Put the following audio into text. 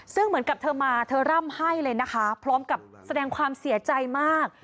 ซึ่งเหมือนกับเธอมาเธอร่ำให้เลยนะคะพร้อมกับแสดงความเสียใจมาก